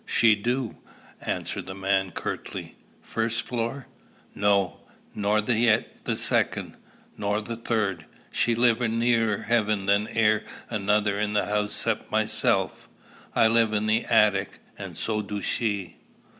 "She do," answered the man curtly. "First floor?" "No. Nor yet the second, nor the third. She live nearer heaven than 'ere another in the house 'cep' myself. I live in the attic, and so do she."